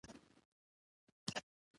، نو ډېر څه ترې ترلاسه کولى شو.